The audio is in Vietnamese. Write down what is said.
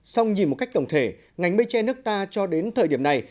xong nhìn một cách tổng thể ngành mây tre nước ta cho đến thời điểm này